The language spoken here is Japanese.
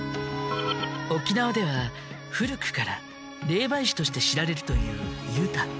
沖縄では古くから霊媒師として知られるというユタ。